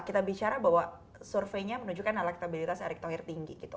kita bicara bahwa surveinya menunjukkan elektabilitas erick thohir tinggi gitu